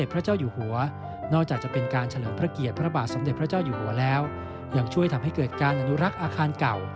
พระเจ้าอยู่หัวแล้วอย่างช่วยทำให้เกิดการอนุรักษ์อาคารเก่า